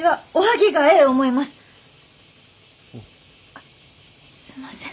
あっすんません。